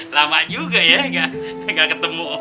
lama juga ya enggak enggak ketemu